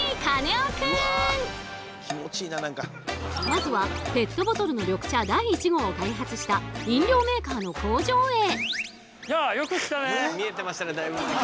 まずはペットボトルの緑茶第１号を開発した飲料メーカーの工場へ！